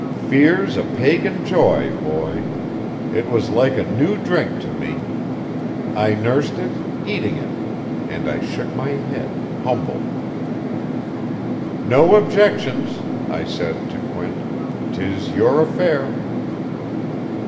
Fear's a pagan joy, boy. It was like a new drink to me. I nursed it, eating it. And I shook my head, humble. "'No objections,' I said, to Quint. ''Tis your affair.'